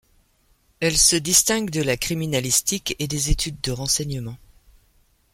Elle se distingue de la criminalistique et des études de renseignement.